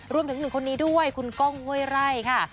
รวมถึงหนุ่มคนนี้ด้วยคุณก้องห้วยไร่ค่ะ